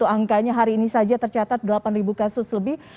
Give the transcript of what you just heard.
angkanya hari ini saja tercatat delapan kasus lebih